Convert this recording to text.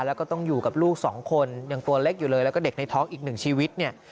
แล้วก็ต้องอยู่กับลูกสองคนยังตัวเล็กอยู่เลยแล้วก็เด็กในท้องอีกหนึ่งชีวิตเนี่ย